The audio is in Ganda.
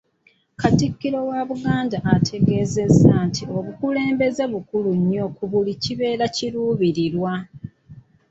Katikkiro wa Buganda ategeezezza nti obukulembeze bukulu nnyo ku buli kibeera kiruubirirwa.